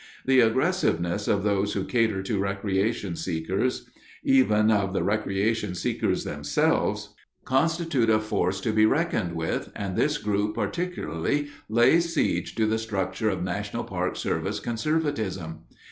The aggressiveness of those who cater to recreation seekers—even of the recreation seekers themselves—constitutes a force to be reckoned with, and this group particularly lays siege to the structure of National Park Service conservatism.